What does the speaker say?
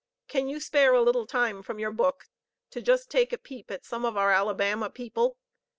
Can you spare a little time from your book to just take a peep at some of our Alabama people?